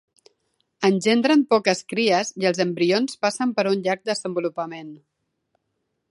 Engendren poques cries i els embrions passen per un llarg desenvolupament.